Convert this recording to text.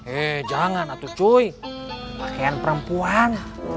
eh jangan atu cuy pakaian perempuan